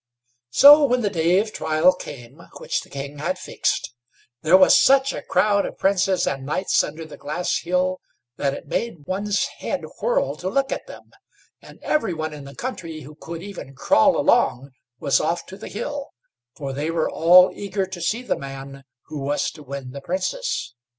So when the day of trial came, which the king had fixed, there was such a crowd of princes and knights under the Glass Hill, that it made one's head whirl to look at them, and everyone in the country who could even crawl along was off to the hill, for they were all eager to see the man who was to win the Princess.